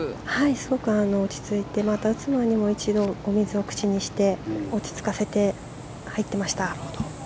すごく落ち着いて打つのにも一度お水を口にして落ち着かせて入っていました。